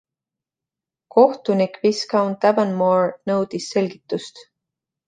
Kohtunik Viscount Avonmore nõudis selgitust.